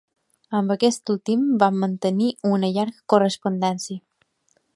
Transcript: Amb aquest últim va mantenir una llarga correspondència.